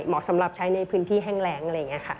สำหรับใช้ในพื้นที่แห้งแรงอะไรอย่างนี้ค่ะ